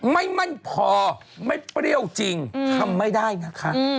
ไม่มั่นพอไม่เปรี้ยวจริงทำไม่ได้นะคะ